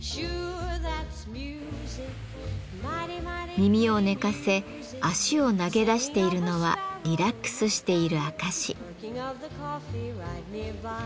耳を寝かせ脚を投げ出しているのはリラックスしている証し。